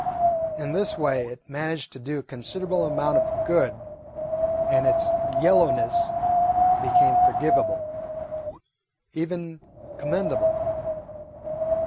In this way it managed to do a considerable amount of good, and its yellowness became forgivable, even commendable.